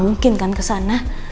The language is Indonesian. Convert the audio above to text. mungkin kan kesana